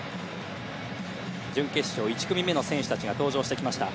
準決勝１組目の選手たちが登場してきました。